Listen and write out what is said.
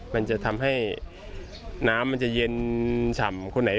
มันจะทำให้น้ำจะเย็นฉ่ำ